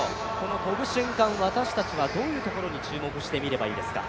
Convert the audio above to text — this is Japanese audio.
跳ぶ瞬間、私たちはどういうところに注目して見ればいいですか？